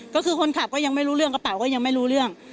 ก็คือคนขับก็ยังไม่รู้เรื่องกระเป๋าก็ยังไม่รู้เรื่อง